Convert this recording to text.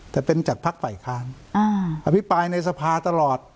แต่เป็นจากภักดิ์ฝ่ายค้านอภิปรายในสภาตลอด